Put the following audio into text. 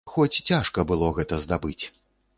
Хоць цяжка было гэта здабыць.